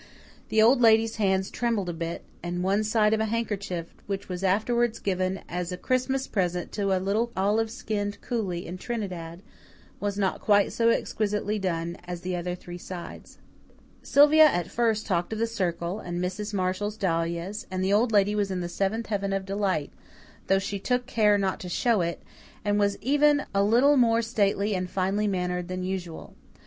The Old Lady's hands trembled a little, and one side of a handkerchief, which was afterwards given as a Christmas present to a little olive skinned coolie in Trinidad, was not quite so exquisitely done as the other three sides. Sylvia at first talked of the Circle, and Mrs. Marshall's dahlias, and the Old Lady was in the seventh heaven of delight, though she took care not to show it, and was even a little more stately and finely mannered than usual.